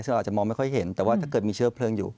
ซึ่งเราอาจจะมองไม่ค่อยเห็นแต่ว่าถ้าเกิดมีเชื้อเพลิงอยู่